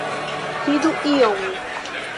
Sidu iom!